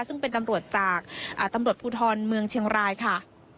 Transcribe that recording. ซึ่งเป็นตำรวจจากตำรวจภูทรเมืองเชียงรายค่ะ